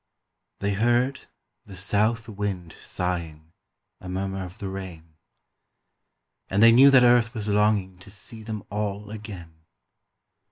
They heard the South wind sighing A murmur of the rain; And they knew that Earth was longing To see them all again.